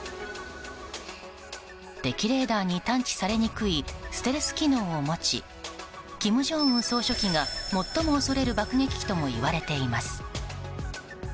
敵レーダーに探知されにくいステルス機能を持ち金正恩総書記が最も恐れる爆撃機ともいわれています。